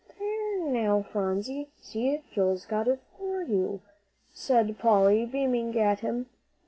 "There now, Phronsie; see, Joel's got it for you," said Polly, beaming at him.